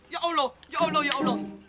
ya allah ya allah ya allah